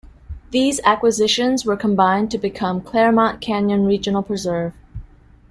These acquisitions were combined to become Claremont Canyon Regional Preserve.